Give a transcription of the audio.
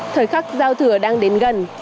thời khắc giao thừa đang đến gần